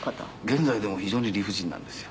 現在でも非常に理不尽なんですよ。